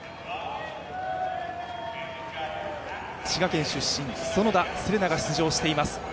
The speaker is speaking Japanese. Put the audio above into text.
滋賀県出身園田世玲奈が出場しています。